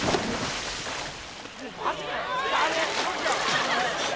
マジかよ。